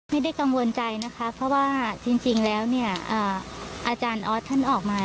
ไม่ได้กังวลใจนะคะเพราะว่าจริงแล้วเนี่ยอาจารย์ออสท่านออกมา